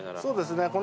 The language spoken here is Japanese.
そうですね。